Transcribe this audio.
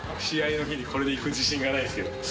試合の日にこれで行く自信がないですけど。